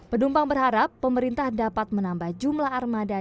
penumpang berharap pemerintah dapat menambah jumlah armada